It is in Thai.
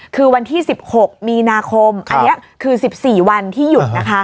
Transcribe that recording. คือวันที่สิบหกมีนาคมอันเนี้ยคือสิบสี่วันที่หยุดนะคะ